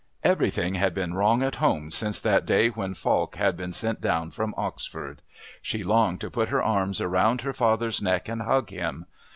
Everything had been wrong at home since that day when Falk had been sent down from Oxford. She longed to put her arms around her father's neck and hug him.